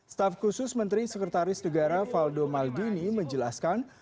staf khusus menteri sekretaris negara valdo maldini menjelaskan